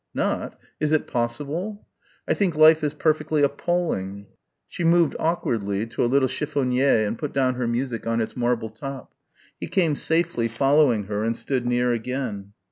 "Not? Is it possible?" "I think life is perfectly appalling." She moved awkwardly to a little chiffonier and put down her music on its marble top. He came safely following her and stood near again.